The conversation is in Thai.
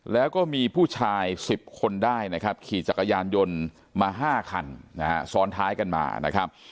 แล้วก็มีผู้ชาย๑๐คนได้นะครับขี่จักรยานยนต์มา๕คันนะฮะซ้อนท้ายกันมานะครับ